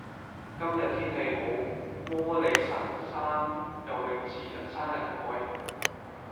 今日天氣好，摩理臣山游泳池人山人海。